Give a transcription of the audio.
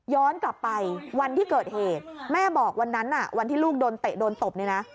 กลับไปวันที่เกิดเหตุแม่บอกวันนั้นวันที่ลูกโดนเตะโดนตบเนี่ยนะ